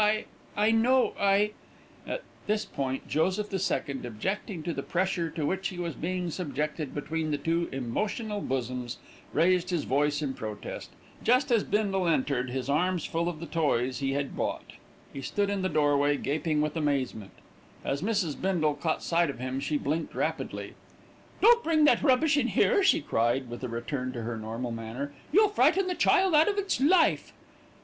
I I know I " At this point Joseph the Second, objecting to the pressure to which he was being subjected between the two emotional bosoms, raised his voice in protest, just as Bindle entered, his arms full of the toys he had bought. He stood in the doorway, gaping with amazement. As Mrs. Bindle caught sight of him, she blinked rapidly. "Don't bring that rubbish in here," she cried with a return to her normal manner. "You'll frighten the child out of its life."